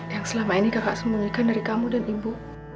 yang selama ini kakak sembunyikan dari kamu dan ibu